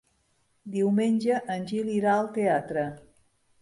Diumenge en Gil irà al teatre.